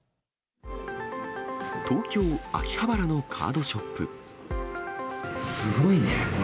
東京・秋葉原のカードショッすごいね、これ。